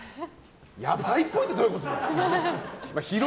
ヤバいっぽいってどういうことだよ？